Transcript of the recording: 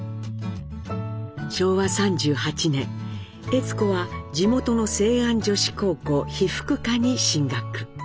昭和３８年悦子は地元の成安女子高校被服科に進学。